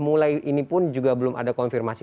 mulai ini pun juga belum ada konfirmasi